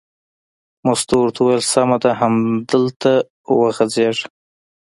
مستو ورته وویل: سمه ده همدلته وغځېږه.